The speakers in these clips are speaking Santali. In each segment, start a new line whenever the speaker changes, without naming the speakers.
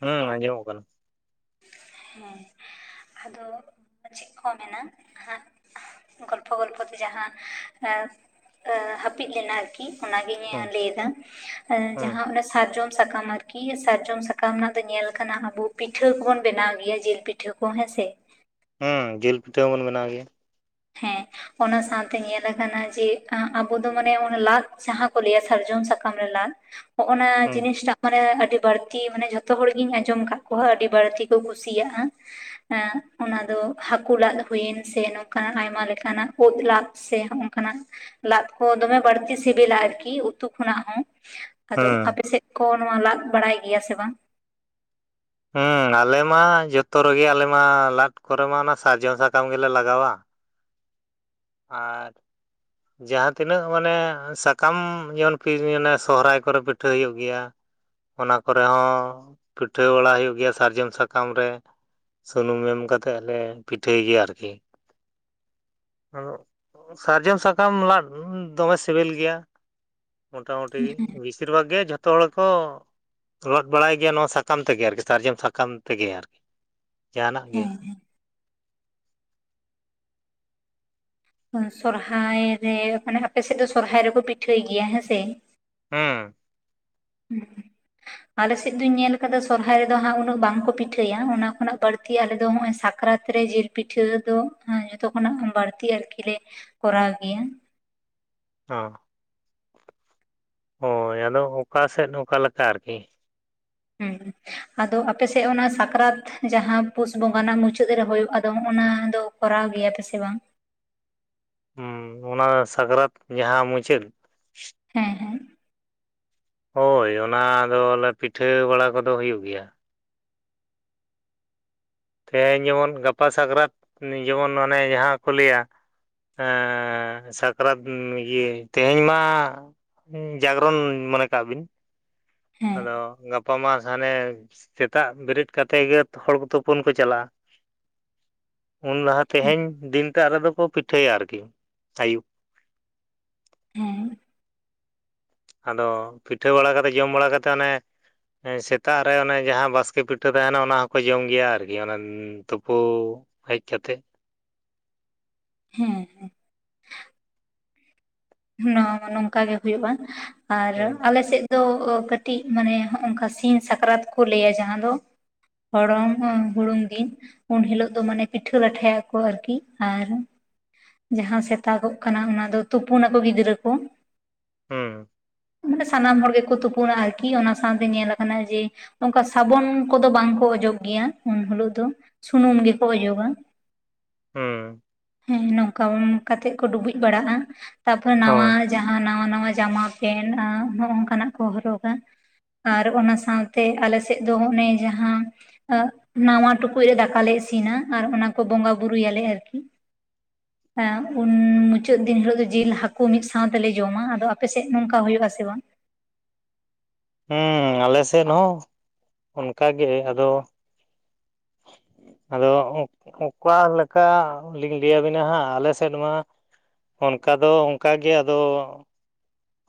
ᱦᱮᱸ ᱟᱸᱡᱚᱢᱚᱜ ᱠᱟᱱᱟ ᱾
ᱦᱮᱸ ᱟᱫᱚ ᱪᱮᱫ ᱠᱚ ᱢᱮᱱᱟ ᱦᱟᱸᱜ ᱜᱚᱞᱯᱷᱚ ᱜᱚᱞᱯᱷᱚ ᱛᱮ ᱡᱟᱦᱟᱸ ᱮᱸ ᱦᱟᱹᱯᱤᱫ ᱞᱮᱱᱟ ᱟᱨᱠᱤ ᱚᱱᱟᱜᱤᱧ
ᱦᱩᱸ
ᱞᱟᱹᱭ ᱫᱟ
ᱦᱩᱸ
ᱡᱟᱦᱟᱸ ᱚᱱᱟ ᱥᱟᱨᱡᱚᱢ ᱥᱟᱠᱟᱢ ᱟᱨ ᱠᱤ ᱥᱟᱨᱡᱚᱢ ᱥᱟᱠᱟᱢ ᱨᱮᱱᱟᱜ ᱫᱚ ᱧᱮᱞ ᱠᱟᱱᱟ ᱟᱵᱚ ᱯᱤᱴᱷᱟᱹ ᱠᱚᱵᱚᱱ ᱵᱮᱱᱟᱣ ᱜᱤᱭᱟ ᱡᱤᱞ ᱯᱤᱴᱷᱟᱹ ᱠᱚ ᱦᱮᱸᱥᱮ
ᱦᱩᱸ ᱡᱮᱞ ᱯᱤᱴᱷᱟᱹ ᱦᱚᱸᱵᱚᱱ ᱵᱮᱱᱟᱣ ᱜᱮᱭᱟ
ᱦᱮᱸ ᱚᱱᱟ ᱥᱟᱶᱛᱮ ᱧᱮᱞ ᱟᱠᱟᱱᱟ ᱡᱮ ᱟᱵᱚ ᱫᱚ ᱢᱟᱱᱮ ᱞᱟᱫ ᱡᱟᱦᱟᱸ ᱠᱚ ᱞᱟᱹᱭᱟ ᱥᱟᱨᱡᱚᱢ ᱥᱟᱠᱟᱢ ᱨᱮ ᱞᱟᱫ ᱱᱚᱜ ᱱᱚᱣᱟ
ᱦᱩᱸ
ᱡᱤᱱᱤᱥᱴᱟᱜ ᱢᱟᱱᱮ ᱟᱹᱰᱤ ᱵᱟᱹᱲᱛᱤ ᱢᱟᱱᱮ ᱡᱷᱚᱛᱚ ᱦᱚᱲ ᱜᱤᱧ ᱟᱸᱡᱚᱢ ᱠᱟᱜ ᱠᱚᱣᱟ ᱟᱹᱰᱤ ᱵᱟᱹᱲᱛᱤ ᱠᱚ ᱠᱩᱥᱤᱭᱟᱜᱼᱟ ᱾ ᱟᱸ ᱚᱱᱟ ᱫᱚ ᱦᱟᱹᱠᱩ ᱞᱟᱫ ᱦᱩᱭᱮᱱ ᱥᱮ, ᱱᱚ ᱟᱸ ᱟᱭᱢᱟ ᱞᱮᱠᱟᱱᱟᱜ ᱳᱛ ᱞᱟᱫ ᱥᱮ ᱦᱚᱸᱜ ᱱᱚᱝᱠᱟᱱᱟᱜ ᱾ ᱞᱟᱫ ᱠᱚ ᱫᱚᱢᱮ ᱵᱟᱹᱲᱛᱤ ᱥᱤᱵᱤᱞᱟ ᱟᱨᱠᱤ ᱩᱛᱩ ᱠᱷᱚᱱᱟᱜ ᱦᱚᱸ ᱟᱫᱚ
ᱦᱩᱸ
ᱟᱯᱮ ᱥᱮᱫ ᱠᱚ ᱱᱚᱣᱟ ᱞᱟᱫ ᱵᱟᱲᱟᱭ ᱜᱮᱭᱟ ᱥᱮ ᱵᱟᱝ?
ᱦᱩᱸ ᱟᱞᱮ ᱢᱟ ᱡᱚᱛᱚ ᱨᱮᱜᱮ ᱟᱞᱮ ᱢᱟ ᱞᱟᱫ ᱠᱚᱨᱮ ᱢᱟ ᱚᱱᱟ ᱥᱟᱨᱡᱚᱢ ᱥᱟᱠᱟᱢ ᱜᱮᱞᱮ ᱞᱟᱜᱟᱣᱟ ᱟᱨ ᱡᱟᱦᱟᱸ ᱛᱤᱱᱟᱹᱜ ᱢᱟᱱᱮ ᱥᱟᱠᱟᱢ ᱡᱮᱢᱚᱱ ᱠᱤ ᱥᱚᱦᱚᱨᱟᱭ ᱠᱚᱨᱮ ᱯᱤᱴᱷᱟᱹ ᱦᱩᱭᱩᱜ ᱜᱮᱭᱟ ᱾ ᱚᱱᱟ ᱠᱚᱨᱮ ᱦᱚᱸ ᱯᱤᱴᱷᱟᱹ ᱵᱟᱲᱟ ᱦᱩᱭᱩᱜ ᱜᱮᱭᱟ ᱥᱟᱨᱡᱚᱢ ᱥᱟᱠᱟᱢ ᱨᱮ, ᱥᱩᱱᱩᱢ ᱮᱢ ᱠᱟᱛᱮᱫ ᱞᱮ ᱯᱤᱴᱷᱟᱹᱭ ᱜᱤᱭᱟ. ᱟᱨᱠᱤ ᱚᱸᱜ ᱥᱟᱨᱡᱚᱢ ᱥᱟᱠᱟᱢ ᱞᱟᱫ ᱫᱚᱢᱮ ᱥᱤᱵᱤᱞ ᱜᱮᱭᱟ ᱾ ᱢᱳᱴᱟᱢᱩᱴᱤ ᱵᱤᱥᱤᱨ ᱵᱷᱟᱜᱽ ᱜᱮ ᱡᱷᱚᱛᱚ ᱦᱚᱲ ᱠᱚ ᱨᱚᱫ ᱵᱟᱲᱟᱭ ᱜᱮᱭᱟ ᱱᱚᱣᱟ ᱥᱟᱠᱟᱢ ᱛᱮᱜᱮ ᱟᱨᱠᱤ ᱥᱟᱨᱡᱚᱢ ᱥᱟᱠᱟᱢ ᱛᱮᱜᱮ ᱟᱨᱠᱤ, ᱡᱟᱦᱟᱸ ᱱᱟᱜ ᱜᱮ᱾
ᱦᱮᱸ ᱥᱚᱨᱦᱟᱭ ᱨᱮ ᱚᱱᱮ ᱟᱯᱮ ᱥᱮᱜ ᱫᱚ ᱥᱚᱨᱦᱟᱭ ᱨᱮᱠᱚ ᱯᱤᱴᱷᱟᱹᱭ ᱜᱮᱭᱟ ᱦᱮᱸᱥᱮ?
ᱦᱩᱸ᱾
ᱦᱩ‌ᱸ ᱦᱩᱸ᱾ ᱟᱞᱮ ᱥᱮᱫ ᱫᱩᱧ ᱧᱮᱞ ᱠᱟᱫᱟ ᱥᱚᱨᱦᱟᱭ ᱨᱮᱫᱚ ᱦᱟᱸᱜ ᱩᱱᱟᱹᱜ ᱵᱟᱝ ᱠᱚ ᱯᱤᱴᱷᱟᱹᱭᱟ ᱚᱱᱟ ᱠᱷᱚᱱᱟᱜ ᱵᱟᱹᱲᱛᱤ ᱟᱞᱮ ᱫᱚ ᱦᱚᱸᱜ-ᱚᱭ ᱥᱟᱠᱼᱼ ᱠᱨᱟᱛ ᱨᱮ ᱡᱤᱞ ᱯᱤᱴᱷᱟᱹ ᱫᱚ ᱚᱸ ᱡᱚᱛᱚ ᱠᱷᱚᱱᱟᱜ ᱵᱟᱲᱛᱤ ᱟᱨ ᱠᱤ ᱞᱮ ᱠᱚᱨᱟᱣ ᱜᱮᱭᱟ᱾
ᱦᱚᱸ, ᱦᱳᱭ ᱟᱫᱚ ᱚᱠᱟ ᱥᱮᱫ ᱚᱠᱟ ᱞᱮᱠᱟ ᱟᱨ ᱠᱤ?
ᱦᱩᱸ ᱟᱫᱚ ᱟᱯᱮ ᱥᱮᱜ ᱚᱱᱟ ᱥᱟᱠᱨᱟᱛᱼᱼ ᱡᱟᱦᱟᱸ ᱯᱩᱥ ᱵᱚᱸᱜᱟ ᱨᱮᱱᱟᱜ ᱢᱩᱪᱟᱹᱫ ᱨᱮ ᱦᱚᱭᱚᱜ ᱟᱫᱚ ᱚᱱᱟ ᱫᱚ ᱠᱚᱨᱟᱣ ᱜᱮᱭᱟ ᱯᱮ ᱥᱮ ᱵᱟᱝ?
ᱦᱚᱸ ᱚᱱᱟ ᱥᱟᱠᱨᱟᱛ ᱡᱟᱦᱟᱸ ᱢᱩᱪᱟᱹᱫᱼᱼ
ᱦᱮᱸ ᱦᱮᱸ᱾
ᱦᱳᱭ ᱚᱱᱟ ᱫᱚᱞᱮ ᱯᱤᱴᱷᱟᱹ ᱵᱟᱲᱟ ᱠᱚᱫᱚ ᱦᱩᱭᱩᱜ ᱜᱮᱭᱟ᱾ ᱛᱮᱦᱮᱧ ᱡᱮᱢᱚᱱ ᱜᱟᱯᱟ ᱥᱟᱠᱨᱟᱛ ᱱᱮ ᱡᱮᱢᱚᱱ ᱚᱱᱮ ᱡᱟᱦᱟᱸ ᱠᱚ ᱞᱟᱹᱭᱟᱼᱼ ᱦᱮᱸᱻ ᱥᱟᱠᱨᱟᱛ ᱱᱤ ‌ᱤᱭᱟᱹ ᱛᱮᱦᱮᱧ ᱢᱟ ᱦᱮᱸ ᱡᱟᱜᱽᱨᱚᱱ ᱢᱚᱱᱮ ᱠᱟᱜ ᱵᱤᱱ
ᱦᱮᱸ
ᱟᱫᱚ ᱜᱟᱯ ᱯᱟ ᱢᱟ ᱥᱮ‌ ᱦᱟᱱᱮ ᱥᱮᱛᱟᱜ ᱵᱮᱨᱮᱫ ᱠᱟᱛᱮᱜ ᱜᱮ ᱛᱚ ᱦᱚᱲ ᱠᱚ ᱛᱩᱯᱩᱱ ᱠᱚ ᱪᱟᱞᱟᱜ-ᱟ᱾ ᱩᱱ ᱞᱟᱦᱟ
ᱦᱮᱸ
ᱛᱮᱦᱮᱧ ᱫᱤᱱᱴᱟᱜ ᱨᱮᱫᱚ ᱠᱚ ᱯᱤᱴᱷᱟᱹᱭᱟ ᱟᱨᱠᱤ ᱟᱭᱩᱵ᱾
ᱦᱮᱸ᱾
ᱟᱫᱚ ᱯᱤᱴᱷᱟᱹ ᱵᱟᱲᱟ ᱠᱟᱛᱮᱜ ᱡᱚᱢ ᱵᱟᱲᱟ ᱠᱟᱛᱮᱜ ᱚᱱᱮ ᱮᱸ ᱥᱮᱛᱟᱜ ᱨᱮ ᱚᱱᱮ ᱡᱟᱦᱟᱸ ᱵᱟᱥᱠᱮ ᱯᱤᱴᱷᱟᱹ ᱛᱟᱦᱮᱱᱟ ᱚᱱᱟ ᱦᱚᱸᱠᱚ ᱡᱚᱢ ᱜᱮᱭᱟ ᱟᱨ‌ ᱠᱤ ᱚᱱᱮᱱ ᱩᱸ ᱛᱩᱯᱩ ᱦᱮᱡ ᱠᱟᱛᱮᱜ᱾
ᱦᱮᱸ᱾ ᱦᱮᱸ ᱦᱚᱸ ᱱᱚᱶᱟ ᱢᱟ‌ ᱱᱚᱝᱠᱟ ᱜᱮ ᱦᱩᱭᱩᱜ-ᱟ ᱟᱨ
ᱦᱩᱸ
ᱟᱞᱮ ᱥᱮᱜ ᱫᱚ ᱚ ᱠᱟᱹᱴᱤᱡ ᱢᱟᱱᱮ ᱦᱚᱸᱜ-ᱚ ᱱᱚᱠᱟ ᱥᱤᱧ ᱥᱟᱠᱨᱟᱛ ᱠᱚ ᱞᱟᱹᱭᱟ ᱡᱟᱦᱟᱸ ᱫᱚ᱾ ᱦᱚᱲᱚᱝ ᱦᱚᱝ ᱦᱩᱲᱩᱝ ᱜᱤᱧ᱾ ᱩᱱ ᱦᱤᱞᱳᱜ ᱫᱚ ᱢᱟᱱᱮ ᱯᱤᱴᱷᱟᱹ ᱞᱟᱴᱷᱟᱭᱟ ᱠᱚ ᱟᱨᱠᱤ ᱟᱨ ᱡᱟᱦᱟᱸ ᱥᱮᱛᱟᱜᱚᱜ ᱠᱟᱱᱟ ᱚᱱᱟ ᱫᱚ ᱛᱩᱯᱩ ᱱᱟᱠᱚ ᱜᱤᱫᱽᱨᱟᱹ ᱠᱚ᱾
ᱦᱩᱸ᱾
ᱢᱟᱱᱮ ᱥᱟᱱᱟᱢ ᱦᱚᱲ ᱜᱮᱠᱚ ᱛᱩᱯᱩᱱᱟ ᱟᱨᱠᱤ ᱚᱱᱟ ᱥᱟᱶᱛᱮ ᱧᱮᱞᱟ ᱠᱟᱱᱟ ᱡᱮ ᱱᱚᱝᱠᱟ ᱥᱟᱵᱚᱱ ᱠᱚᱫᱚ ᱵᱟᱝᱠᱚ ᱚᱡᱚᱜ ᱜᱮᱭᱟ ᱩᱱ ᱦᱳᱞᱳᱜ ᱫᱚ᱾ ᱪᱷᱩᱱᱩᱢ ᱜᱮᱠᱚ ᱚᱡᱜᱟ᱾
ᱦᱩᱸ᱾
ᱦᱮᱸ ᱱᱚᱝᱠᱟ ᱵᱟᱲᱟ ᱠᱟᱛᱮᱜ ᱠᱚ ᱰᱩᱵᱩᱡ ᱵᱟᱲᱟᱜ-ᱟ ᱛᱟᱨᱯᱚᱨᱮ ᱱᱟᱣᱟ
ᱦᱳᱭ
ᱡᱟᱦᱟᱸ ᱱᱟᱣᱟ ᱱᱟᱣᱟ ᱡᱟᱢᱟ ᱯᱮᱱᱴ ᱟᱸᱻ ᱱᱚᱜ-ᱚ ᱱᱚᱝᱠᱟ ᱱᱟᱜ ᱠᱚ ᱦᱚᱨᱚᱜᱟ᱾ ᱟᱨ ᱚᱱᱟ ᱥᱟᱶᱛᱮ ᱟᱞᱮ ᱥᱮᱜ ᱫᱚ ᱦᱚᱸᱜ ᱚᱱᱮ ᱡᱟᱦᱟᱸ ᱚᱜ ᱱᱟᱶᱟ ᱴᱩᱠᱩᱡ ᱨᱮ ᱫᱟᱠᱟ ᱞᱮ ᱤᱥᱤᱱᱟ ᱟᱨ ᱚᱱᱟ ᱠᱚ ᱵᱚᱸᱜᱟ ᱵᱩᱨᱩ ᱭᱟᱞᱮ ᱟᱨᱠᱤ ᱦᱮᱸ ᱩᱱᱻ ᱢᱩᱪᱟᱹᱫ ᱫᱤᱱ ᱦᱤᱞᱚᱜ ᱫᱚ ᱡᱤᱞ ᱦᱟᱠᱩ ᱢᱤᱫ ᱥᱟᱶ ᱛᱮᱞᱮ ᱡᱚᱢᱟ ᱟᱫᱚ ᱟᱯᱮ ᱥᱮᱡ ᱱᱚᱝᱠᱟ ᱦᱩᱭᱩᱜ-ᱟ ᱥᱮ ᱵᱟᱝ?
ᱦᱩᱸ ᱟᱞᱮ ᱥᱮᱫ ᱦᱚᱸ ᱚᱱᱠᱟ ᱜᱮ ᱟᱫᱚ
[inaudible]
ᱟᱫᱚ ᱚᱸᱠ ᱚᱠᱟ ᱞᱮᱠᱟ ᱞᱤᱧ ᱞᱟᱹᱭ ᱭᱟᱵᱤᱱᱟ ᱦᱟᱸᱜ ᱟᱞᱮ ᱥᱮᱫᱽ ᱢᱟ ᱚᱱᱠᱟ ᱫᱚ ᱚᱱᱠᱟ ᱜᱮ ᱟᱫᱚ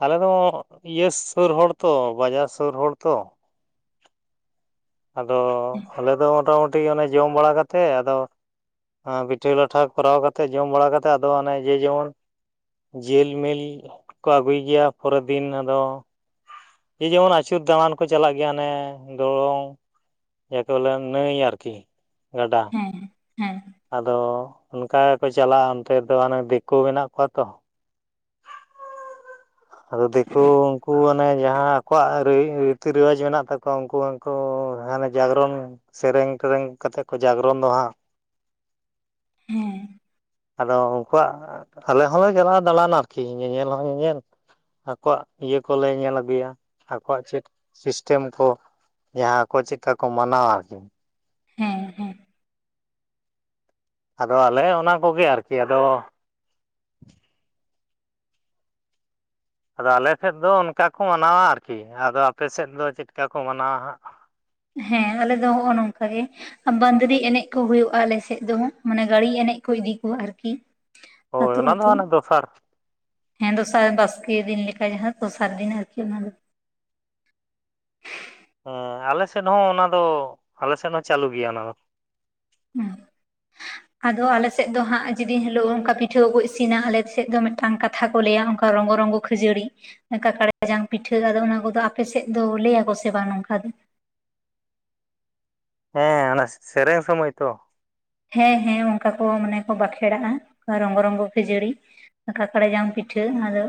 ᱟᱞᱮ ᱫᱚ ᱚᱸᱻ ᱤᱭᱟᱹ ᱥᱩᱨ ᱦᱚᱲ ᱛᱚ ᱵᱟᱡᱟᱨ ᱥᱩᱨ ᱦᱚᱲ ᱛᱚ᱾
[inaudible]
ᱟᱫᱚ ᱟᱞᱮ ᱫᱚ ᱢᱚᱴᱟᱼᱢᱩᱴᱤ ᱚᱱᱮ ᱡᱚᱢ ᱵᱟᱲᱟ ᱠᱟᱛᱮᱜ ᱟᱫᱚ ᱟᱸᱻ ᱯᱤᱴᱷᱟᱹ ᱞᱟᱴᱷᱟ ᱠᱚᱨᱟᱣ ᱠᱟᱛᱮᱜ ᱡᱚᱢ ᱵᱟᱲᱟ ᱠᱟᱛᱮᱜ ᱟᱫᱚ ᱚᱱᱮ ᱡᱮ ᱡᱮᱢᱚᱱ ᱡᱤᱞ ᱢᱤᱞ ᱠᱚ ᱟᱜᱩᱭ ᱜᱮᱭᱟ ᱯᱚᱨᱟᱹ ᱫᱤᱱ ᱟᱫᱚ᱾ ᱡᱮ ᱡᱮᱢᱚᱱ ᱟᱹᱪᱩᱨ ᱫᱟᱬᱟᱱ ᱠᱚ ᱪᱟᱞᱟᱜ ᱜᱮᱭᱟ ᱚᱱᱮ ᱫᱚᱲᱚᱝ ᱡᱟᱠᱮ ᱵᱚᱞᱮ ᱱᱟᱹᱭ ᱟᱨᱠᱤ ᱜᱟᱰᱟ᱾
ᱦᱮᱸᱻ ᱦᱮᱸᱻ᱾
ᱟᱫᱚ ᱚᱱᱠᱟ ᱜᱮᱠᱚ ᱪᱟᱞᱟᱜᱼᱟ ᱚᱱᱛᱮ ᱫᱚ ᱚᱱᱮ ᱫᱤᱠᱩ ᱢᱮᱱᱟᱜ ᱠᱚᱣᱟ ᱛᱚ ᱟᱫᱚ ᱫᱤᱠᱩ ᱩᱱ ᱦᱟᱱᱮ ᱡᱟᱦᱟᱸ ᱟᱠᱚᱣᱟᱜ ᱨᱤᱛᱤ ᱨᱮᱣᱟᱡᱽ ᱢᱮᱱᱟᱜ ᱛᱟᱠᱚᱣᱟ ᱩᱱᱠᱩ ᱦᱚᱸᱠᱩ ᱦᱟᱱᱮ ᱡᱟᱜᱽᱨᱚᱱ ᱥᱮᱨᱮᱧ ᱴᱮᱨᱮᱧ ᱠᱟᱛᱮᱫ ᱠᱚ ᱡᱟᱜᱽᱨᱚᱱ ᱫᱚ ᱦᱟᱸᱜ
ᱦᱮᱸ
ᱟᱫᱚ ᱩᱱᱠᱩᱣᱟᱜ ᱟᱞᱮ ᱦᱚᱸᱞᱮ ᱦᱚᱸ ᱪᱟᱞᱟᱣ ᱫᱟᱬᱟᱱᱟ ᱟᱨᱠᱤ ᱧᱮᱧᱮᱞ ᱦᱚᱸ ᱧᱮᱧᱮᱞ ᱟᱠᱚᱣᱟᱜ ᱤᱭᱟᱹ ᱠᱚᱞᱮ ᱧᱮᱞ ᱟᱹᱜᱩᱭᱟ ᱟᱠᱚᱣᱟᱜ ᱪᱮᱫ ᱥᱤᱥᱴᱮᱢ ᱠᱚ ᱡᱟᱦᱟᱸ ᱠᱚ ᱪᱮᱫᱠᱟ ᱠᱚ ᱢᱟᱱᱟᱣᱟ ᱟᱨᱠᱤ
ᱦᱮᱸᱻ ᱦᱮᱸᱻ᱾
ᱟᱫᱚ ᱟᱞᱮ ᱚᱱᱟ ᱠᱚᱜᱮ ᱟᱨᱠᱤ ᱟᱫᱚᱼᱼ ᱟᱫᱚ ᱟᱞᱮ ᱥᱮᱫ ᱫᱚ ᱚᱱᱠᱟ ᱠᱚ ᱢᱟᱱᱟᱣᱟ ᱟᱨᱠᱤ ᱟᱫᱚ ᱟᱯᱮ ᱥᱮᱫ ᱫᱚ ᱪᱮᱫ ᱠᱟ ᱠᱚ ᱢᱟᱱᱟᱣᱟ ᱦᱟᱸᱜ?
ᱦᱮᱸ ᱟᱞᱮ ᱫᱚ ᱦᱚᱜᱼᱚ ᱱᱚᱝᱠᱟᱜ ᱜᱮ᱾ ᱵᱟᱸᱫᱽᱨᱤ ᱮᱱᱮᱡ ᱠᱚ ᱦᱩᱭᱩᱜᱼᱟ ᱟᱞᱮᱥᱮᱫ ᱫᱚ ᱢᱟᱱᱮ, ᱜᱟᱹᱲᱤ ᱮᱱᱮᱡ ᱠᱚ ᱤᱫᱤ ᱠᱚᱣᱟ ᱟᱨᱠᱤ
ᱦᱳᱭ
ᱟᱹᱛᱩᱻ
ᱚᱱᱟ ᱫᱚ
ᱟᱹᱛᱩᱻ᱾
ᱦᱟᱱᱮ ᱫᱚᱥᱟᱨ
ᱦᱮᱸ ᱫᱚᱥᱟᱨ ᱵᱟᱥᱠᱮ ᱫᱤᱱ ᱞᱮᱠᱟ ᱡᱟᱦᱟᱸ ᱫᱚᱥᱟᱨ ᱫᱤᱱ ᱟᱨᱠᱤ ᱚᱱᱟ ᱫᱚ᱾ [unintelligible]
ᱦᱮᱸ ᱟᱞᱮ ᱥᱮᱫ ᱦᱚᱸ ᱚᱱᱟ ᱫᱚ ᱟᱞᱮ ᱥᱮᱫ ᱦᱚᱸ ᱪᱟᱹᱞᱩ ᱜᱮᱭᱟ ᱚᱱᱟ ᱫᱚ᱾
ᱦᱮᱸᱻ᱾ ᱟᱫᱚ ᱟᱞᱮ ᱥᱮᱫ ᱫᱚ ᱦᱟᱸᱜ ᱡᱮᱫᱤᱱ ᱦᱤᱞᱳᱜ ᱚᱱᱠᱟ ᱯᱤᱴᱷᱟᱹ ᱠᱚᱠᱚ ᱤᱥᱤᱱᱟ ᱟᱞᱮ ᱥᱮᱫ ᱫᱚ ᱢᱤᱫᱴᱟᱝ ᱠᱟ ᱠᱟᱛᱷᱟ ᱠᱚ ᱞᱟᱹᱭᱟ ᱚᱱᱠᱟ ᱨᱚᱝᱜᱚ ᱨᱚᱝᱜᱚ ᱠᱷᱟᱹᱡᱟᱹᱲᱤ ᱠᱟᱠᱲᱟ ᱡᱟᱝ ᱯᱤᱴᱷᱟᱹ ᱟᱫᱚ ᱚᱱᱟ ᱠᱚᱫᱚ ᱟᱯᱮ ᱥᱮᱫ ᱫᱚ ᱞᱟᱹᱭᱟᱠᱚ ᱥᱮ ᱵᱟᱝ ᱱᱚᱝᱠᱟ ᱫᱚ?
ᱦᱮᱸ ᱚᱱᱟ ᱥᱮᱨᱮᱧ ᱥᱚᱢᱚᱭ ᱛᱚ
ᱦᱮᱸᱻ ᱦᱮᱸᱻ, ᱚᱱᱠᱟ ᱠᱚ ᱢᱟᱱᱮ ᱠᱚ ᱵᱟᱸᱠᱷᱮᱲᱟᱜᱼᱟ ᱨᱚᱝᱜᱚ ᱨᱚᱝᱜᱚ ᱠᱷᱟᱹᱡᱲᱤ ᱠᱟᱠᱟᱲᱟ ᱡᱟᱢ ᱯᱤᱴᱷᱟᱹᱚᱱᱟ ᱫᱚ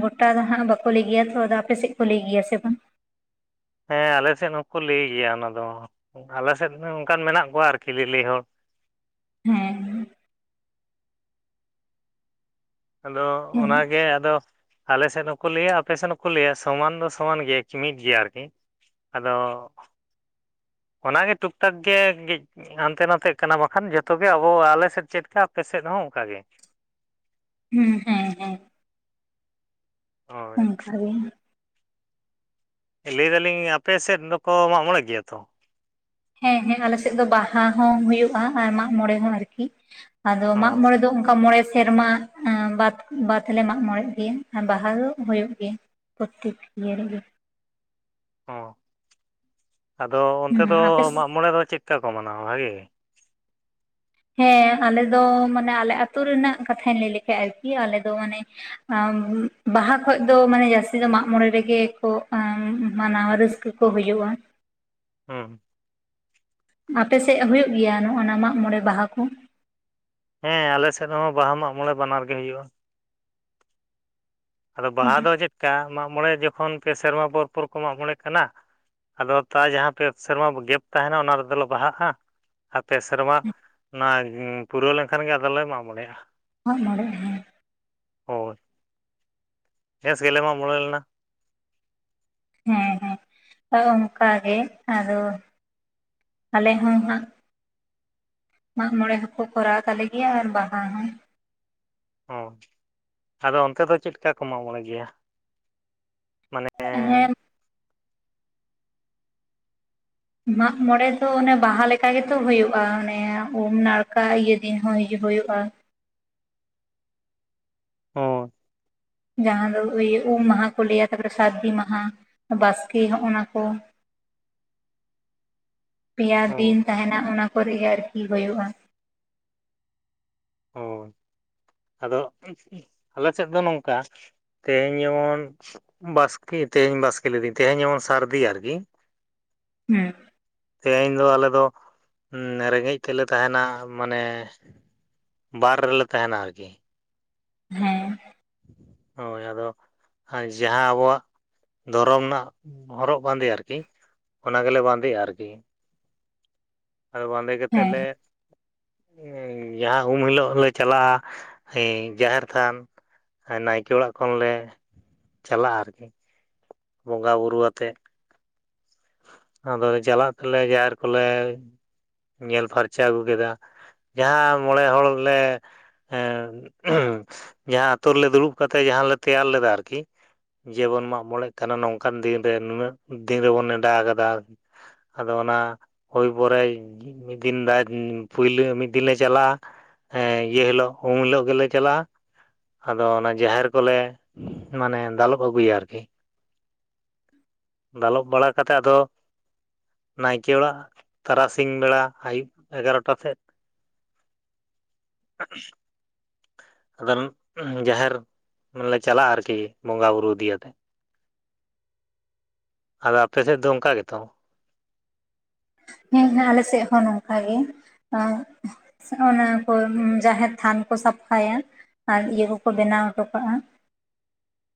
ᱜᱚᱴᱟ ᱫᱚ ᱦᱟᱸᱟᱜ ᱵᱟᱠᱚ ᱞᱟᱹᱭ ᱜᱮᱭᱟ, ᱛᱚ ᱟᱫᱚ ᱟᱯᱮᱥᱮᱫ ᱠᱚ ᱞᱟᱹᱭ ᱜᱮᱭᱟ ᱥᱮ ᱵᱟᱝ?
ᱦᱮᱸ ᱟᱞᱮᱥᱮᱫ ᱦᱚᱸᱠᱚ ᱞᱟᱹᱭ ᱜᱮᱭᱟ ᱚᱱᱟ ᱫᱚ, ᱟᱞᱮᱥᱮᱫ ᱦᱚᱸ ᱚᱱᱠᱟᱱ ᱢᱮᱱᱟᱜ ᱠᱚᱣᱟ ᱟᱨᱠᱤ ᱞᱮᱞᱮᱭ ᱦᱚᱲ᱾
ᱦᱮᱸ
ᱟᱫᱚ
ᱦᱮᱸ
ᱚᱱᱟᱜᱮ ᱟᱫᱚ ᱟᱞᱮᱥᱮᱫ ᱦᱚᱸᱠᱚ ᱞᱟᱹᱭᱟ ᱟᱯᱮ ᱥᱮᱫ ᱦᱚᱸᱠᱚ ᱞᱟᱹᱭᱟ ᱥᱚᱢᱟᱱ ᱫᱚ ᱥᱚᱢᱟᱱ ᱜᱮᱭᱟ ᱠᱤ ᱢᱤᱫ ᱜᱮᱭᱟ ᱟᱨᱠᱤ ᱟᱫᱚ ᱚᱱᱟ ᱜᱮ ᱴᱩᱠ ᱴᱟᱠ ᱜᱮ ᱦᱟᱱᱛᱮ ᱱᱟᱛᱮᱜ ᱠᱟᱱᱟ ᱵᱟᱠᱷᱟᱱ ᱡᱚᱛᱚ ᱜᱮ ᱟᱵᱚ ᱟᱞᱮᱥᱮᱫ ᱪᱮᱫ ᱠᱟ ᱟᱯᱮᱥᱮᱫ ᱦᱚᱸ ᱚᱱᱠᱟᱟᱜ ᱜᱮ᱾
ᱦᱩᱸᱻ ᱦᱮᱸᱻ ᱦᱮᱸᱻ᱾
ᱦᱳᱭ
ᱚᱱᱠᱟ ᱜᱮ
ᱞᱟᱹᱭ ᱫᱟᱞᱤᱧ ᱟᱯᱮ ᱥᱮᱫ ᱫᱚᱠᱚ ᱢᱟᱜ ᱢᱚᱬᱮ ᱜᱮᱭᱟ ᱛᱚ?
ᱦᱮᱸᱻ ᱦᱮᱸᱻ᱾ ᱟᱞᱮ ᱥᱮᱫ ᱫᱚ ᱵᱟᱦᱟ ᱦᱚᱸ ᱦᱩᱭᱩᱜᱼᱟ ᱟᱨ ᱢᱟᱜ ᱢᱚᱬᱮ ᱦᱚᱸ ᱟᱨᱠᱤ ᱟᱫᱚ
ᱚ
ᱢᱟᱜ ᱢᱚᱲᱮ ᱫᱚ ᱚᱱᱠᱟ ᱢᱚᱬᱮ ᱥᱮᱨᱢᱟ᱾ ᱵᱟᱫᱽ ᱵᱟᱫᱽᱞᱮ ᱢᱟᱜ ᱢᱬᱮᱜ ᱜᱮᱭᱟ, ᱟᱨ ᱵᱟᱦᱟ ᱫᱚ ᱦᱩᱭᱩᱜ ᱜᱮᱭᱟ ᱯᱨᱚᱛᱮᱠ ᱤᱭᱟᱹ ᱨᱮᱜᱮ
ᱚᱻ, ᱟᱫᱚ ᱚᱱᱛᱮ ᱫᱚ
ᱦᱮᱸ ᱟᱯᱮ
ᱢᱟᱜᱢᱚᱬᱮ ᱫᱚ ᱪᱮᱫᱠᱟ ᱠᱚ ᱢᱟᱱᱟᱣᱟ ᱵᱷᱟᱜᱮ ᱜᱮ?
ᱦᱮᱸ ᱟᱞᱮ ᱫᱚ ᱢᱟᱱᱮ ᱟᱞᱮ ᱟᱹᱛᱩ ᱨᱮᱱᱟᱜ ᱠᱟᱛᱷᱟᱧ ᱞᱟᱹᱭ ᱞᱮᱜᱮ ᱟᱨᱠᱤ ᱟᱞᱮ ᱫᱚ ᱢᱟᱱᱮ ᱵᱟᱦᱟ ᱠᱷᱚᱡ ᱫᱚ ᱢᱟᱱᱮ ᱡᱟᱹᱥᱛᱤ ᱫᱚ ᱢᱟᱜ ᱢᱚᱬᱮ ᱨᱮᱜᱮ ᱠᱚ ᱢᱟᱱᱟᱣᱟ ᱨᱟᱹᱥᱠᱟᱹ᱾ ᱠᱚ ᱦᱩᱭᱩᱜᱼᱟ᱾
ᱦᱮᱸ
ᱟᱯᱮᱥᱮᱜ ᱦᱩᱭᱩᱜ ᱜᱮᱭᱟ ᱱᱚᱜᱼᱱᱟ ᱢᱟᱜᱢᱚᱬᱮ ᱵᱟᱦᱟ ᱠᱚ᱾
ᱦᱮᱸ ᱟᱞᱮᱥᱮᱫ ᱦᱚᱸ ᱵᱟᱦᱟ ᱢᱟᱜ ᱢᱚᱬᱮ ᱵᱟᱱᱟᱨ ᱜᱮ ᱦᱳᱭᱳᱜᱼᱟ᱾ ᱟᱫᱚ ᱵᱟᱦᱟ ᱫᱚ ᱪᱮᱫ ᱠᱟ ᱢᱟᱜᱽ ᱢᱚᱬᱮ ᱡᱚᱠᱷᱚᱱ ᱯᱮ ᱥᱮᱨᱢᱟ ᱯᱚᱨ ᱯᱚᱨ ᱠᱚ ᱢᱟᱜ ᱢᱚᱬᱮ ᱠᱟᱱᱟ᱾ ᱟᱫᱚ ᱛᱟ ᱡᱟᱦᱟᱸ ᱯᱮ ᱥᱮᱨᱢᱟ ᱜᱮᱯ ᱛᱟᱦᱮᱱᱟ ᱚᱱᱟ ᱨᱮᱫᱚᱞᱮ ᱵᱟᱦᱟᱜᱼᱟ᱾ ᱟᱨ ᱯᱮ ᱥᱮᱨᱢᱟ ᱚᱱᱟ ᱯᱩᱨᱟᱹᱣ ᱞᱮᱱᱠᱷᱟᱱ ᱜᱮ ᱟᱫᱚᱞᱮ ᱢᱟᱜ ᱢᱚᱬᱮᱼᱜᱟ᱾
ᱢᱟᱜᱢᱚᱬᱮ ᱦᱮᱸ
ᱦᱳᱭ ᱱᱮᱥ ᱜᱮᱞᱮ ᱢᱟᱜᱢᱚᱬᱮ ᱞᱮᱱᱟ
ᱦᱮᱸ ᱦᱮᱸ ᱚᱱᱠᱟ ᱜᱮ ᱟᱫᱚ ᱟᱞᱮ ᱦᱚᱸ ᱦᱟᱸᱜ ᱢᱟᱜ ᱢᱚᱲᱮ ᱦᱚᱸᱠᱚ ᱠᱚᱨᱟᱣ ᱛᱟᱞᱮ ᱜᱮᱭᱟ ᱟᱨ ᱵᱟᱦᱟ ᱦᱚᱸ
ᱚ ᱟᱫᱚ ᱚᱱᱛᱮ ᱫᱚ ᱪᱮᱫ ᱞᱮᱠᱟ ᱠᱚ ᱢᱟᱜ ᱢᱚᱲᱮ ᱜᱮᱭᱟ? ᱢᱟᱱᱮ
ᱦᱮᱸᱻ᱾ ᱢᱟᱜ ᱢᱚᱲᱮ ᱫᱚ ᱚᱱᱮ ᱵᱟᱦᱟ ᱞᱮᱠᱟ ᱜᱮᱛᱚ ᱦᱳᱭᱳᱜᱼᱟ, ᱚᱱᱮ ᱩᱢ ᱱᱟᱲᱠᱟ ᱤᱭᱟᱹ ᱫᱤᱱ ᱦᱚᱸ ᱦᱳᱭᱳᱜᱼᱟ᱾
ᱚ
ᱡᱟᱦᱟᱸ ᱫᱚ ᱟᱹᱭᱟᱹ ᱩᱢ ᱢᱟᱦᱟ ᱠᱚ ᱞᱟᱹᱭᱟ ᱛᱟᱯᱚᱨᱮ ᱥᱟᱹᱨᱫᱤ ᱢᱟᱦᱟ ᱵᱟᱥᱠᱮ ᱦᱚᱸᱜᱼᱚ ᱱᱟ ᱠᱚ ᱯᱮᱭᱟ ᱫᱤᱱ
ᱦᱳᱭ
ᱛᱟᱦᱮᱱᱟ ᱚᱱᱟ ᱠᱚᱨᱮ ᱜᱮ ᱟᱨᱠᱤ ᱦᱳᱭᱳᱜᱼᱟ
ᱚ ᱟᱫᱚ ᱟᱞᱮ ᱥᱮᱫ ᱫᱚ ᱱᱚᱝᱠᱟ ᱛᱮᱦᱮᱧ ᱡᱮᱢᱚᱱ ᱵᱟᱥᱠᱮ ᱛᱮᱦᱮᱧ ᱵᱟᱥᱠᱮ ᱞᱮᱫᱟᱹᱧ ᱛᱮᱦᱮᱧ ᱡᱮᱢᱚᱱ ᱥᱟᱹᱨᱫᱤ ᱟᱨᱠᱤ
ᱦᱩᱸ
ᱛᱮᱦᱮᱧ ᱫᱚ ᱟᱞᱮ ᱫᱚ ᱨᱮᱸᱜᱮᱡ ᱛᱮᱞᱮ ᱛᱟᱦᱮᱸᱱᱟ ᱢᱟᱱᱮ ᱵᱟᱨ ᱨᱮᱞᱮ ᱛᱟᱦᱮᱸᱱᱟ ᱟᱨᱠᱤ᱾
ᱦᱮᱸ-᱾
ᱦᱳᱭ ᱟᱫᱚ ᱡᱟᱦᱟᱸ ᱟᱵᱚᱣᱟᱜ ᱫᱷᱚᱨᱚᱢ ᱨᱮᱱᱟᱜ ᱦᱚᱨᱚᱜ ᱵᱟᱸᱫᱮ ᱟᱨᱠᱤ ᱚᱱᱟ ᱜᱮᱞᱮ ᱵᱟᱸᱫᱮᱭᱟ ᱟᱨᱠᱤ᱾ ᱟᱫᱚ ᱵᱟᱸᱫᱮ ᱠᱟᱛᱮᱫ
ᱦᱮᱸ
ᱞᱮ ᱡᱟᱦᱟᱸ ᱩᱢ ᱦᱤᱞᱳᱜ ᱞᱮ ᱪᱟᱞᱟᱜᱼᱟ ᱮᱸ ᱡᱟᱦᱮᱨ ᱛᱷᱟᱱ ᱱᱟᱭᱠᱮ ᱚᱲᱟᱜ ᱠᱷᱚᱱᱞᱮ ᱪᱟᱞᱟᱜᱼᱟ, ᱟᱨᱠᱤ ᱵᱚᱸᱜᱟ ᱵᱩᱨᱩ ᱟᱛᱮᱜ ᱟᱫᱚ ᱪᱟᱞᱟᱜ ᱛᱮᱞᱮ ᱡᱟᱦᱮᱨ ᱠᱚᱞᱮ ᱧᱮᱞ ᱯᱷᱟᱨᱪᱟ ᱟᱹᱜᱩ ᱠᱮᱫᱟ᱾ ᱡᱟᱦᱟᱸ ᱢᱚᱬᱮ ᱦᱚᱲ ᱞᱮ ᱮᱸ ᱡᱟᱦᱟᱸ ᱟᱛᱳ ᱨᱮᱞᱮ ᱫᱩᱲᱩᱵ ᱠᱟᱛᱮᱜ ᱡᱟᱦᱟᱸ ᱞᱮ ᱛᱮᱭᱟᱨ ᱞᱮᱫᱟ ᱟᱨᱠᱤ᱾ ᱡᱮᱵᱚᱱ ᱢᱟᱜ ᱢᱚᱬᱮᱜ ᱠᱟᱱᱟ ᱱᱚᱝᱠᱟᱱ ᱫᱤᱱᱨᱮ ᱱᱩᱱᱟᱹᱜ ᱫᱤᱱ ᱨᱮᱵᱚᱱ ᱱᱮᱰᱟ ᱠᱟᱫᱟ᱾ ᱟᱫᱚ ᱚᱱᱟ ᱦᱳᱭ ᱯᱚᱨᱮ ᱢᱤᱫ ᱫᱤᱱ ᱫᱟᱜ ᱯᱩᱭᱞᱳ ᱢᱤᱫ ᱫᱤᱱ ᱞᱮ ᱪᱟᱞᱟᱜᱼᱟ᱾ ᱤᱭᱟᱹ ᱦᱤᱞᱳᱜ ᱩᱢ ᱦᱤᱞᱳᱜ ᱜᱮᱞᱮ ᱪᱟᱞᱟᱜᱼᱟ᱾ ᱟᱫᱚ ᱚᱱᱟ ᱡᱟᱸᱦᱮᱨ ᱠᱚᱞᱮ ᱢᱟᱱᱮ ᱫᱟᱞᱚᱵ ᱟᱹᱜᱩᱭᱟ ᱟᱨᱠᱤ᱾ ᱫᱟᱞᱚᱵ ᱵᱟᱲᱟ ᱠᱟᱛᱮ ᱟᱫᱚ ᱱᱟᱭᱠᱮ ᱚᱲᱟᱜ ᱛᱟᱨᱟᱥᱤᱧ ᱵᱮᱲᱟ ᱟᱹᱭᱩᱵ ᱮᱜᱟᱨᱚᱴᱟ ᱥᱮᱫ [inaudible] [unintelligible] ᱡᱟᱦᱮᱨ ᱞᱮ ᱪᱟᱞᱟᱜᱼᱟ ᱟᱨᱠᱤ ᱵᱚᱸᱜᱟ ᱵᱩᱨᱩ ᱤᱫᱤ ᱟᱛᱮᱫ᱾ ᱟᱫᱚ ᱟᱯᱮ ᱥᱮᱫ ᱫᱚ ᱚᱱᱠᱟ ᱜᱮᱛᱚ?
ᱦᱮᱸ ᱦᱮᱸ ᱟᱞᱮ ᱥᱮᱫ ᱦᱚᱸ ᱱᱚᱝᱠᱟ ᱜᱮ ᱚᱸᱜ ᱚᱱᱟ ᱠᱚ ᱡᱟᱦᱮᱨ ᱛᱷᱟᱱ ᱠᱚ ᱥᱟᱯᱷᱟᱭᱟ ᱟᱨ ᱤᱭᱟᱹ ᱠᱚᱠᱚ ᱵᱮᱱᱟᱣ ᱦᱚᱴᱚ ᱠᱟᱜᱼᱟ᱾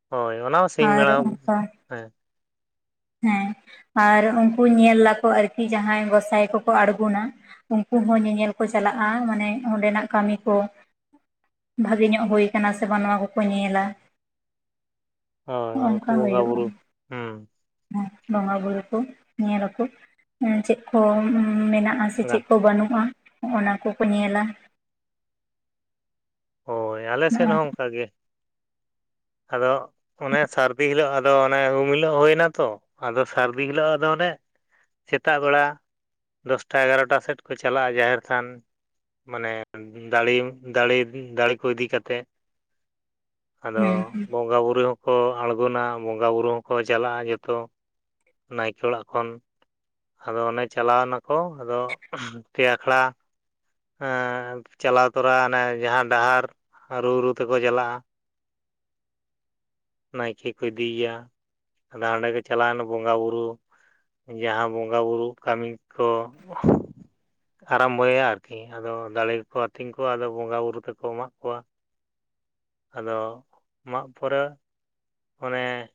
ᱦᱳᱭ ᱚᱱᱟ ᱦᱚᱸ ᱥᱤᱧ
ᱟᱨ
ᱵᱮᱲᱟ
ᱚᱱᱠᱟ
ᱦᱮᱸ
ᱦᱮᱸ ᱟᱨ ᱩᱱᱠᱩ ᱧᱮᱞ ᱟᱠᱚ ᱟᱨᱠᱤ ᱡᱟᱦᱟᱸᱭ ᱜᱚᱸᱥᱟᱭ ᱠᱚᱠᱚ ᱟᱲᱜᱩᱱᱟ ᱩᱱᱠᱩ ᱦᱚᱸ ᱧᱮᱧᱮᱞ ᱠᱚ ᱪᱟᱞᱟᱜᱼᱟ ᱢᱟᱱᱮ ᱚᱸᱰᱮᱱᱟᱜ ᱠᱟᱹᱢᱤ ᱠᱚ ᱵᱷᱟᱜᱮ ᱧᱚᱜ ᱦᱳᱭ ᱠᱟᱱᱟ ᱥᱮ ᱵᱟᱝ ᱱᱚᱣᱟ ᱠᱚᱠᱚ ᱧᱮᱞᱼᱟ
ᱦᱳᱭ ᱩᱱᱠᱩ ᱵᱚᱸᱜᱟ
ᱦᱩᱭᱩᱜᱼᱟ
ᱵᱩᱨᱩ ᱦᱩᱸ
ᱵᱚᱸᱜᱟ ᱵᱩᱨᱩ ᱠᱚ ᱧᱮ ᱟᱠᱚ ᱪᱮᱫ ᱠᱚ ᱢᱮᱱᱟᱜᱼᱟ᱾ ᱪᱮᱫ-ᱪᱮᱫ ᱠᱚ ᱵᱟᱹᱱᱩᱜᱼᱟ ᱚᱱᱟ ᱠᱚᱠᱚ ᱧᱮᱞᱟ᱾
ᱦᱳᱭ ᱟᱞᱮ
ᱱᱚᱜᱼᱚ
ᱥᱮᱫ ᱦᱚᱸ
ᱱᱚᱝᱠᱟ᱾
ᱚᱱᱠᱟᱜ ᱜᱮ ᱟᱫᱚ ᱚᱱᱮ ᱥᱟᱹᱨᱫᱤ ᱦᱤᱞᱳᱜ ᱟᱫᱚ ᱚᱱᱮ ᱩᱢ ᱦᱤᱞᱳᱜ ᱦᱳᱭ ᱱᱟᱛᱚ ᱟᱫᱚ ᱥᱟᱹᱨᱫᱤ ᱦᱤᱞᱳᱜ ᱟᱫᱚ ᱚᱸᱰᱮ ᱥᱮᱛᱟᱜ ᱵᱮᱲᱟ ᱫᱚᱥᱴᱟ ᱮᱜᱟᱨᱚᱴᱟ ᱥᱮᱫ ᱠᱚ ᱪᱟᱞᱟᱜᱼᱟ, ᱡᱟᱸᱦᱮᱨ ᱛᱷᱟᱱ᱾ ᱢᱟᱱᱮ ᱫᱟᱲᱤᱢ ᱫᱟᱲᱮ ᱫᱟᱲᱮ ᱠᱚ ᱤᱫᱤ ᱠᱟᱛᱮ ᱟᱫᱚ
ᱦᱮᱸ
ᱵᱚᱸᱜᱟ ᱵᱩᱨᱩ ᱦᱚᱸ ᱠᱚ ᱟᱬᱜᱚᱱᱟ ᱵᱚᱸᱜᱟ ᱵᱩᱨᱩ ᱦᱚᱸᱠᱚ ᱪᱟᱞᱟᱜᱼᱟ, ᱡᱚᱛᱚ ᱱᱟᱭᱠᱮ ᱚᱲᱟᱜ ᱠᱷᱚᱱ ᱟᱫᱚ ᱚᱱᱮ ᱪᱟᱞᱟᱣᱱᱟᱠᱚ ᱟᱫᱚ ᱯᱮ ᱟᱠᱷᱲᱟ ᱪᱟᱞᱟᱣ ᱛᱚᱨᱟ ᱚᱱᱮ ᱡᱟᱦᱟᱸ ᱰᱟᱦᱟᱨ ᱨᱩ ᱨᱩ ᱛᱮᱠᱚ ᱪᱟᱞᱟᱜᱼᱟ᱾
[inaudible]
ᱱᱟᱭᱠᱮ ᱠᱚ ᱤᱫᱤᱮᱭᱟ, ᱟᱫᱚ ᱦᱟᱸᱰᱮ ᱠᱚ ᱪᱟᱞᱟᱣᱱᱟ ᱵᱚᱸᱜᱟ ᱵᱩᱨᱩ᱾ ᱡᱟᱦᱟᱸ ᱵᱚᱸᱜᱟ ᱵᱩᱨᱩ ᱠᱟᱹᱢᱤ ᱠᱚ ᱟᱨᱟᱢ ᱵᱚᱭᱟ ᱟᱨᱠᱤ ᱟᱫᱚ ᱫᱟᱲᱮ ᱠᱚ ᱠᱚ ᱟᱹᱛᱤᱧ ᱠᱚᱣᱟ᱾ ᱟᱫᱚ ᱵᱚᱸᱜᱟ ᱵᱩᱨᱩᱳ ᱛᱮᱠᱚ ᱢᱟᱜ ᱠᱚᱣᱟ᱾ ᱟᱫᱚ ᱢᱟᱜ ᱯᱚᱨᱮ ᱚᱱᱮ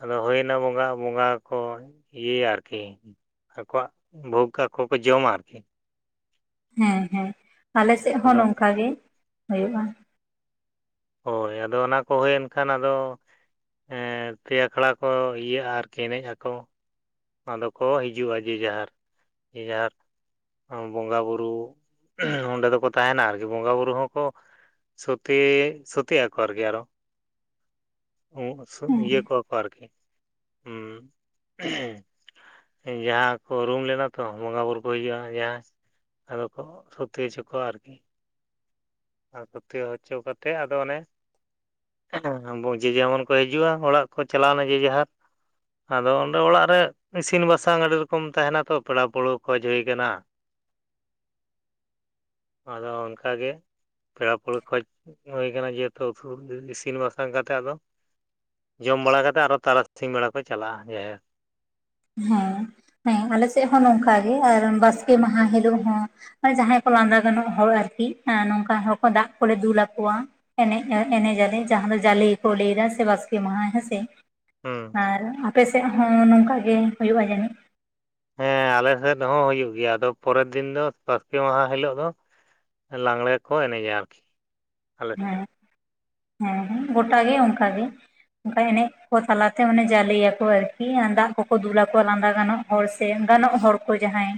ᱟᱫᱚ ᱦᱩᱭ ᱮᱱᱟ ᱵᱚᱸᱜᱟ ᱵᱚᱸᱜᱟ ᱠᱚ ᱤᱭᱟᱹᱭᱟ ᱟᱨᱠᱤ ᱟᱠᱚᱣᱟᱜ ᱵᱷᱳᱠ ᱟᱠᱚ ᱠᱚ ᱡᱚᱢᱟ ᱟᱨᱠᱤ
ᱦᱮᱸ ᱦᱮᱸ ᱟᱞᱮᱥᱮᱫ ᱦᱚᱸ
ᱟᱫᱚ
ᱱᱚᱝᱠᱟ ᱜᱮ ᱦᱳᱭᱳᱜᱼᱟ
ᱦᱳᱭ ᱟᱫᱚ ᱚᱱᱟ ᱠᱚ ᱦᱳᱭᱮᱱ ᱠᱷᱟᱱ ᱟᱫᱚ ᱯᱮ ᱟᱠᱷᱲᱟ ᱠᱚ ᱤᱭᱟᱹᱜᱼᱟ ᱟᱨᱠᱤ ᱮᱱᱮᱡ ᱟᱠᱚ ᱟᱫᱚ ᱠᱚ ᱦᱤᱡᱩᱜᱼᱟ ᱡᱮ ᱡᱟᱦᱟᱨ ᱡᱮ ᱡᱟᱦᱟᱨ ᱵᱚᱸᱜᱟ ᱵᱩᱨᱩ ᱚᱸᱰᱮ ᱫᱚ ᱠᱚ ᱛᱟᱦᱮᱱᱟ ᱟᱨᱠᱤ ᱵᱚᱸᱜᱟ ᱵᱩᱨᱩ ᱦᱚᱸᱠᱚ ᱥᱳᱛᱮ ᱥᱳᱛᱮᱜ ᱟᱠᱚ ᱟᱨᱠᱤ ᱟᱨᱦᱚ
ᱦᱮᱸ
ᱤᱭᱟᱹ ᱠᱚᱣᱟ ᱠᱚ ᱟᱨᱠᱤ ᱦᱩᱸ ᱡᱟᱦᱟᱸ ᱠᱚ ᱨᱩᱢ ᱞᱮᱱᱟ ᱛᱚ ᱵᱚᱸᱜᱟᱼᱵᱩᱨᱩ ᱠᱚ ᱦᱤᱡᱩᱜᱼᱟ ᱡᱟᱦᱟᱸ ᱟᱫᱚ ᱠᱚ ᱥᱚᱛᱮ ᱦᱚᱪᱚ ᱠᱚᱣᱟ ᱟᱨᱠᱤ ᱟᱨ ᱯᱟᱹᱛᱤᱭᱟᱹᱣ ᱦᱚᱪᱚ ᱠᱟᱛᱮᱫ ᱟᱫᱚ ᱚᱱᱮ ᱡᱮ ᱡᱮᱢᱚᱱ ᱠᱚ ᱦᱤᱡᱩᱜᱼᱟ ᱚᱲᱟᱜ ᱠᱚ ᱪᱟᱞᱟᱣ ᱮᱱᱟ ᱡᱮ ᱡᱟᱦᱟᱨ ᱟᱫᱚ ᱚᱸᱰᱮ ᱚᱲᱟᱜ ᱨᱮ ᱤᱥᱤᱱ ᱵᱟᱥᱟᱝ ᱟᱹᱰᱤ ᱨᱚᱠᱚᱢ ᱛᱟᱦᱮᱱᱟ ᱛᱚ ᱯᱮᱲᱟ ᱯᱟᱹᱲᱦᱟᱹ ᱠᱷᱚᱡᱽ ᱦᱩᱭ ᱟᱠᱟᱱᱟ
[unintelligible]
ᱟᱫᱚ ᱚᱱᱠᱟ ᱜᱮ ᱯᱮᱲᱟ ᱯᱟᱹᱲᱦᱟᱹ ᱠᱷᱚᱡᱽ ᱦᱩᱭ ᱟᱠᱟᱱᱟ ᱡᱮᱦᱮᱛᱩ ᱩᱛᱩ ᱤᱥᱤᱱ ᱵᱟᱥᱟᱝ ᱠᱟᱛᱮᱫ ᱟᱫᱚ ᱡᱚᱢ ᱵᱟᱲᱟ ᱠᱟᱛᱮᱫ ᱟᱨᱦᱚ ᱛᱟᱨᱟᱥᱤᱧ ᱵᱮᱲᱟ ᱠᱚ ᱪᱟᱞᱟᱜᱼᱟ ᱡᱟᱦᱮᱨ
ᱦᱮᱸ ᱦᱮᱸ ᱟᱞᱮ ᱥᱮᱫ ᱦᱚᱸ ᱱᱚᱝᱠᱟ ᱜᱮ ᱟᱨ ᱵᱟᱥᱠᱮ ᱢᱟᱦᱟ ᱦᱤᱞᱳᱜ ᱦᱚᱸ ᱟᱨ ᱡᱟᱦᱟᱸᱭ ᱠᱚ ᱞᱟᱸᱫᱟ ᱜᱟᱱᱚᱜ ᱦᱚᱲ ᱟᱨᱠᱤ ᱱᱚᱝᱠᱟᱱ ᱦᱚᱲ ᱠᱚ ᱫᱟᱜ ᱠᱚᱞᱮ ᱫᱩᱞ ᱟᱠᱚᱣᱟ ᱮᱱᱮᱡ ᱮᱱᱮᱡ ᱟᱞᱮ ᱡᱟᱦᱟᱸ ᱫᱚ ᱡᱟᱞᱮ ᱜᱮᱠᱚ ᱞᱟᱹᱭ ᱮᱫᱟ ᱥᱮ ᱵᱟᱥᱠᱮ ᱢᱟᱦᱟ ᱦᱮᱸᱥᱮ
ᱦᱩᱸ
ᱟᱨ ᱟᱯᱮ ᱥᱮᱫ ᱦᱚᱸ ᱱᱚᱝᱠᱟ ᱜᱮ ᱦᱩᱭᱩᱜᱼᱟ ᱡᱟᱹᱱᱤᱡ
ᱦᱮᱸ ᱟᱞᱮ ᱥᱮᱫ ᱦᱚᱸ ᱦᱩᱭᱩᱜ ᱜᱮᱭᱟ ᱟᱫᱚ ᱯᱚᱨᱮᱨ ᱫᱤᱱ ᱫᱚ ᱵᱟᱥᱠᱮ ᱢᱟᱦᱟ ᱦᱤᱞᱳᱜ ᱫᱚ ᱞᱟᱜᱽᱬᱮ ᱠᱚ ᱮᱱᱮᱡᱟ ᱟᱨᱠᱤ ᱟᱞᱮ ᱥᱮᱫ
ᱦᱮᱸ ᱦᱮᱸ ᱦᱮᱸ ᱜᱚᱴᱟ ᱜᱮ ᱚᱱᱠᱟ ᱜᱮ ᱚᱱᱠᱟ ᱮᱱᱮᱡ ᱠᱚ ᱛᱟᱞᱟᱛᱮ ᱚᱱᱮ ᱡᱟᱞᱮᱭᱟᱠᱚ ᱟᱨᱠᱤ ᱫᱟᱜ ᱠᱚ ᱠᱚ ᱫᱩᱞ ᱟᱠᱚᱣᱟ ᱞᱟᱸᱫᱟ ᱜᱟᱱᱚᱜ ᱦᱚᱲ ᱥᱮ ᱜᱟᱱᱚᱜ ᱦᱚᱲ ᱠᱚ ᱡᱟᱦᱟᱸᱭ